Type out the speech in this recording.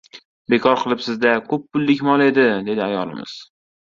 — Bekor qilibsiz-da, ko‘p pullik mol edi, — dedi ayolimiz.